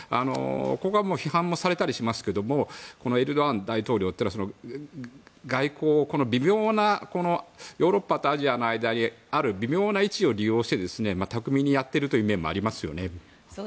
ここは批判もされたりしますけどエルドアン大統領っていうのはそうした外交をヨーロッパとアジアの間にある微妙な位置を利用して巧みにやっているという面もありますよね。